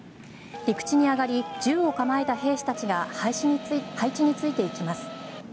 陸地に上がり銃を構えた兵士たちが配置についていきます。